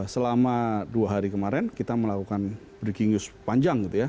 selama dua hari kemarin kita melakukan breaking news panjang gitu ya